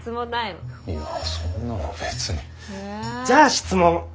じゃあ質問。